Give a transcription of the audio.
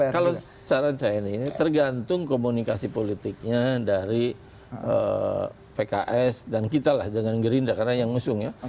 kalau saran saya ini tergantung komunikasi politiknya dari pks dan kita lah dengan gerindra karena yang ngusung ya